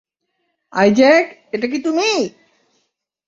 Isaac -এটা কি তুমিই?